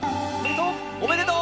おめでとう！